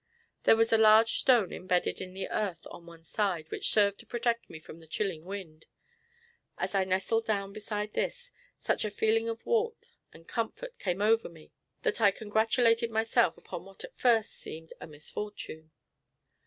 There was a large stone imbedded in the earth on one side, which served to protect me from the chilling wind. As I nestled down, beside this, such a feeling of warmth and comfort came over me that I congratulated myself upon what at first seemed a misfortune.